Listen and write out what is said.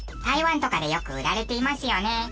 台湾とかでよく売られていますよね。